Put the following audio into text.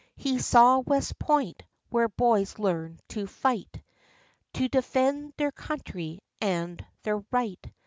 He saw West Point, where boys learn to fight, To defend their country and their right.